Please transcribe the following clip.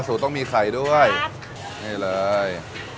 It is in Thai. อ๋อสูตรต้องมีไข่ด้วยครับนี่เลย